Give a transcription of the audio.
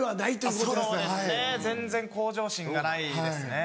そうですね全然向上心がないですね。